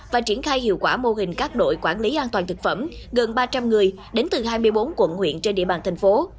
và triển khai hiệu quả mô hình các đội quản lý an toàn thực phẩm gần ba trăm linh người đến từ hai mươi bốn quận huyện trên địa bàn thành phố